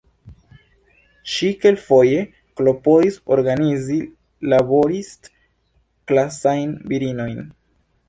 Ŝi kelkfoje klopodis organizi laborist-klasajn virinojn.